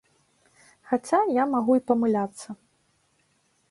Хаця я магу й памыляцца.